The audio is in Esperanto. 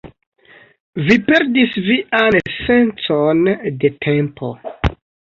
Vi perdis vian sencon de tempo